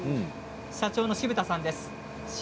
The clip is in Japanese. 社長の渋田さんです。